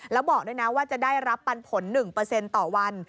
แล้วบอกด้วยนะว่าจะได้รับปันผล๑ต่อวัน